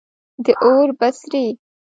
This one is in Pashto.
د اور بڅری